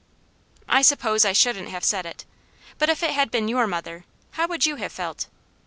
I suppose I shouldn't have said it, but if it had been your mother, how would you have felt?